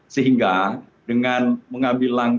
sehingga dengan mengambil langkah